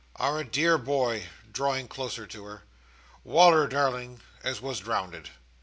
Our dear boy," drawing closer to her, "Wal"r, darling, as was drownded."